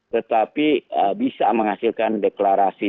tetapi bisa menghasilkan deklarasi